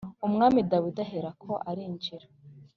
Umwami Dawidi aherako arinjira